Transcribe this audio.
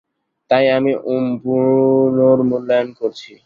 তাই আমি, উম, পুনর্মূল্যায়ন করছি।